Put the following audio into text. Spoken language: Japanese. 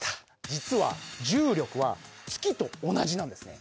実は重力は月と同じなんですね。